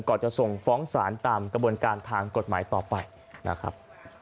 จะส่งฟ้องศาลตามกระบวนการทางกฎหมายต่อไปนะครับ